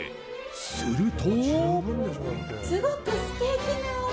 すると。